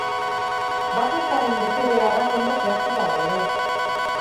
Bakoitzaren betebeharrak ondo zehaztuta daude.